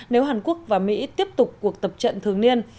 nếu hàn quốc và mỹ tiếp tục cuộc tập trận thường niên